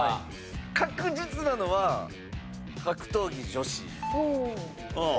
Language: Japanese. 確実なのは格闘技女子。